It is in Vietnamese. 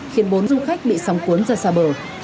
khiến bốn du khách bị sóng cuốn ra xa bờ